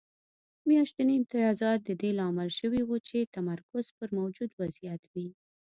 میاشتني امتیازات د دې لامل شوي وو چې تمرکز پر موجود وضعیت وي